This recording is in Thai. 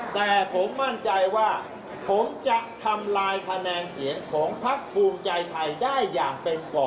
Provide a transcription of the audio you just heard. แต่ผมมั่นใจว่าผมจะทำลายคะแนนเสียงของพักภูมิใจไทยได้อย่างเป็นก่อ